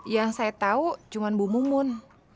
yang saya tau cuman bu mumun